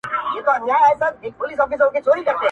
د څپو د زور یې نه ول مړوندونه٫